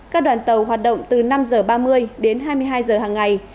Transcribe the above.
các đoàn tàu hoạt động từ năm h ba mươi đến hai mươi hai giờ hàng ngày